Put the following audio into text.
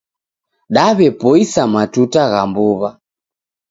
Daw'epoisa matuta gha mbuw'a